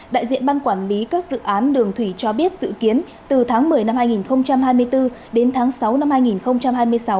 đại diện ban quản lý các dự án đường thủy cho biết dự kiến từ tháng một mươi năm hai nghìn hai mươi bốn đến tháng sáu năm hai nghìn hai mươi sáu